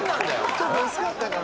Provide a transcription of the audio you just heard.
ちょっと薄かったかな。